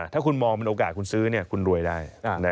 ถ้าคุณมองเป็นโอกาสคุณซื้อคุณรวยได้